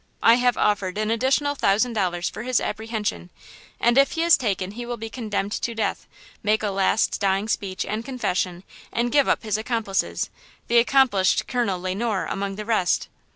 I have offered an additional thousand dollars for his apprehension, and if he is taken he will be condemned to death, make a last dying speech and confession and give up his accomplices, the accomplished Colonel Le Noir among the rest!"